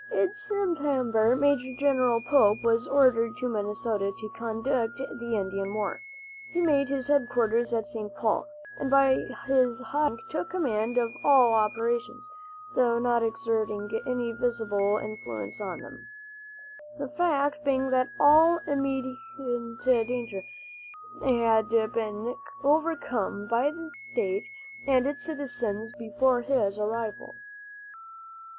In September Major General Pope was ordered to Minnesota to conduct the Indian war. He made his headquarters at St. Paul, and by his high rank took command of all operations, though not exerting any visible influence on them, the fact being that all imminent danger had been overcome by the state and its citizens before his arrival.